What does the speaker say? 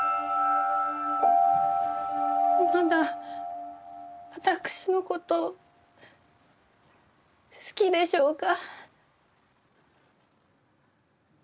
まだ私のことを好きでしょうか？